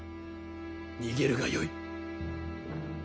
逃げるがよい。